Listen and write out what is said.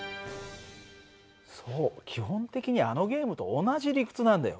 そう基本的にはあのゲームと同じ理屈なんだよ。